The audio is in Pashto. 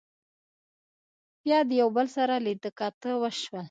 بيا د يو بل سره لیدۀ کاتۀ وشول